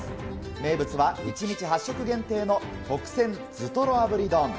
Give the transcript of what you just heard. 名物は１日８食限定の特選頭とろ炙り丼。